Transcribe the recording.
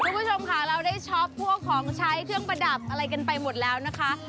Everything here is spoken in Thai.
คุณผู้ชมค่ะเราได้ช็อปพวกของใช้เครื่องประดับอะไรกันไปหมดแล้วนะคะ